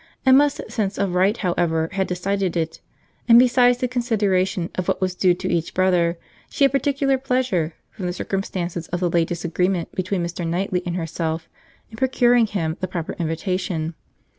Emma's sense of right however had decided it; and besides the consideration of what was due to each brother, she had particular pleasure, from the circumstance of the late disagreement between Mr. Knightley and herself, in procuring him the proper invitation.